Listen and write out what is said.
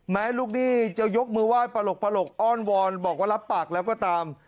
แม้ลูกหนี้จะยกมือไหว้ปลกอ้อนวอนบอกว่ารับปากแล้วก็ตาม